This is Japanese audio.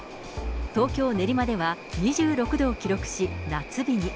東京・練馬では、２６度を記録し、夏日に。